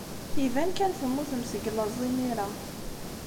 Iban kan temmutem seg laẓ imir-a.